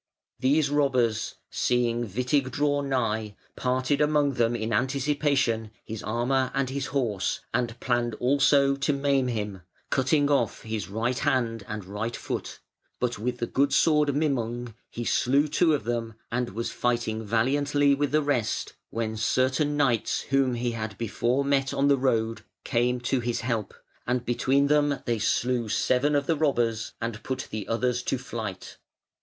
These robbers seeing Witig draw nigh parted among them in anticipation his armour and his horse, and planned also to maim him, cutting off his right hand and right foot, but with the good sword Mimung he slew two of them and was fighting valiantly with the rest when certain knights whom he had before met on the road came to his help, and between them they slew seven of the robbers and put the others to flight.